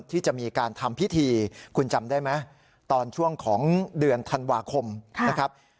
ที่จะมีการทำพิธีคุณจำได้ไหมตอนช่วงของเดือนธันวาคมนะครับ